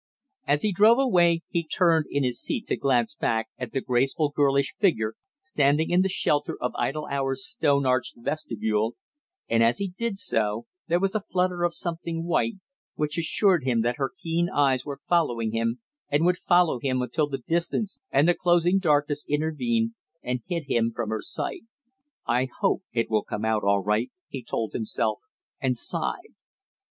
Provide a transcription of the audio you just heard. As he drove away he turned in his seat to glance back at the graceful girlish figure standing in the shelter of Idle Hour's stone arched vestibule, and as he did so there was a flutter of something white, which assured him that her keen eyes were following him and would follow him until the distance and the closing darkness intervened, and hid him from her sight. "I hope it will come out all right!" he told himself and sighed.